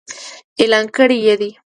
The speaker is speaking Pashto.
اعلان کړي يې دي.